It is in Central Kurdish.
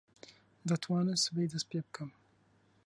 دەتوانم سبەی دەست پێ بکەم.